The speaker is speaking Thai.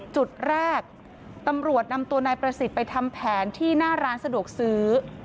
จุดแรกตำรวจนำตัวนายประสิทธิ์ไปทำแผนที่หน้าร้านสะดวกซื้อ